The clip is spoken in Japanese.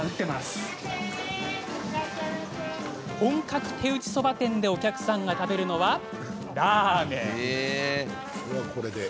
本格手打ちそば店でお客さんが食べるのは、ラーメン。